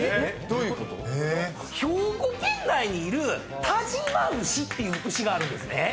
兵庫県内にいる但馬牛っていう牛があるんですね。